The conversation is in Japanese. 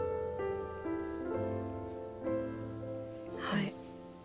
はい。